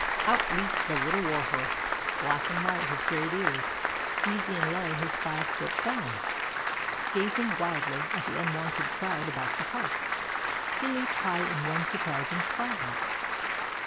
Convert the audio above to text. Out leaped the Little Warhorse, black and white his great ears, easy and low his five foot bounds; gazing wildly at the unwonted crowd about the Park, he leaped high in one surprising spy hop.